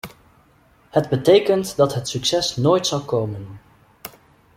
Het betekent dat het succes nooit zal komen.